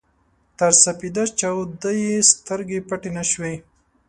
تر سپېده چاوده يې سترګې پټې نه شوې.